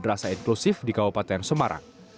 dan juga seorang karyawan yang berkebutuhan khusus